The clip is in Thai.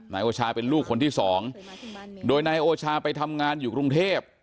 นายโอชาเป็นลูกคนที่สองโดยนายโอชาไปทำงานอยู่กรุงเทพ